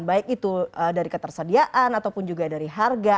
baik itu dari ketersediaan ataupun juga dari harga